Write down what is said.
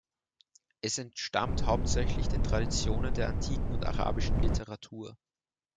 Es entstammt hauptsächlich den Traditionen der antiken und arabischen Literatur.